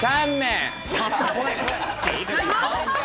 正解は。